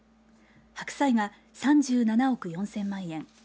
白菜が３７億４０００万円